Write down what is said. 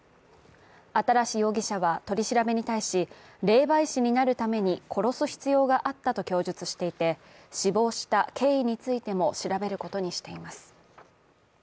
新容疑者は取り調べに対し、霊媒師になるために殺す必要があったと供述していて、死亡した経緯についても調べることにしています。